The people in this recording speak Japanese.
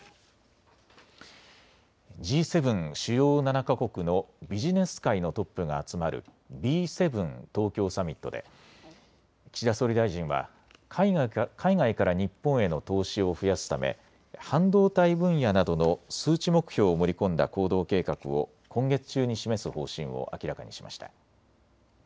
Ｇ７・主要７か国のビジネス界のトップが集まるＢ７東京サミットで岸田総理大臣は海外から日本への投資を増やすため半導体分野などの数値目標を盛り込んだ行動計画を今月中に示す方針を明らかにしました。